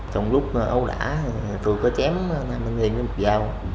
trong lúc ấu đã tôi có chém năm đồng một dao